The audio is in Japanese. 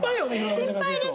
心配です。